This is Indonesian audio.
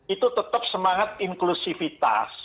itu tetap semangat inklusifitas